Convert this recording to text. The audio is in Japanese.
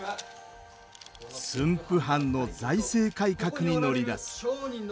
駿府藩の財政改革に乗り出す。